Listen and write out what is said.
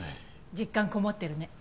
実感こもってるね。